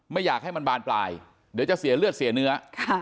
ไม่อยากให้มันบานปลายเดี๋ยวจะเสียเลือดเสียเนื้อ